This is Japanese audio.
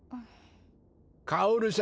・薫さん。